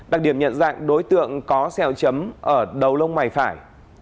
đặc điểm nhận dạng đối tượng có xeo chấm ở đầu lông mày phải